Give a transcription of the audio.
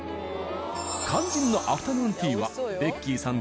肝心のアフタヌーンティーはベッキーさん